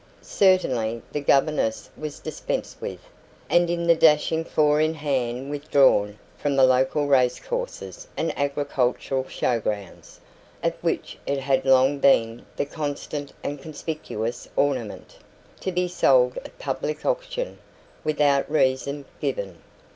Certainly, the governess was dispensed with, and the dashing four in hand withdrawn from the local racecourses and agricultural show grounds, of which it had long been the constant and conspicuous ornament, to be sold at public auction, without reason given.